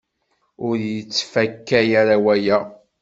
Ur yettfaka ara waya.